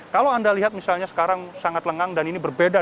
kalau anda lihat misalnya sekarang sangat lengang dan ini berbeda